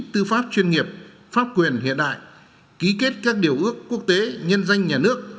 tư pháp chuyên nghiệp pháp quyền hiện đại ký kết các điều ước quốc tế nhân danh nhà nước